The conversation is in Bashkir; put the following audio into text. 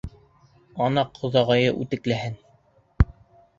Ана ҡоҙағыйы үтекләһен.